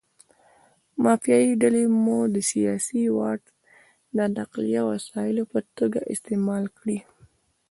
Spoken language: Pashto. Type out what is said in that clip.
مافیایي ډلې مو د سیاسي واټ د نقلیه وسایطو په توګه استعمال کړي.